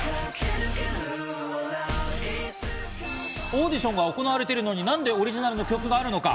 オーディションが行われているのに、何でオリジナル曲があるのか？